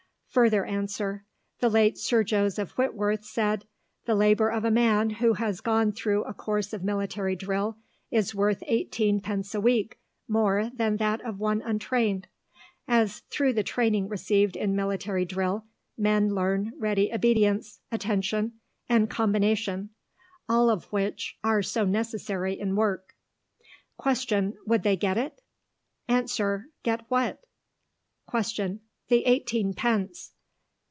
Further answer: The late Sir Joseph Whitworth said, "The labour of a man who has gone through a course of military drill is worth eighteen pence a week more than that of one untrained, as through the training received in military drill men learn ready obedience, attention, and combination, all of which are so necessary in work." Question: Would they get it? Answer: Get what? Question: The eighteen pence.